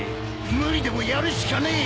無理でもやるしかねえ。